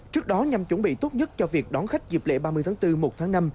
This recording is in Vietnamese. trước đó nhằm chuẩn bị tốt nhất cho việc đón khách dịp lễ ba mươi tháng bốn một tháng năm